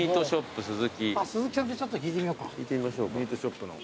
あっ鈴木さんでちょっと聞いてみようか。